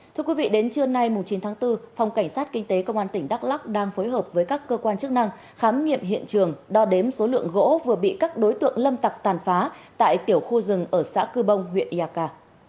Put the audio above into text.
thưa quý vị đến trưa nay chín tháng bốn phòng cảnh sát kinh tế công an tỉnh đắk lắc đang phối hợp với các cơ quan chức năng khám nghiệm hiện trường đo đếm số lượng gỗ vừa bị các đối tượng lâm tặc tàn phá tại tiểu khu rừng ở xã cư bông huyện iaka